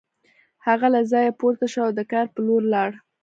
هغه له ځایه پورته شو او د کار په لور لاړ